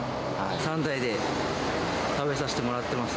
３代で食べさせてもらってます。